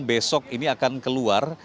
besok ini akan keluar